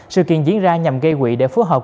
sự kiện diễn ra nhằm gây quỵ để phù hợp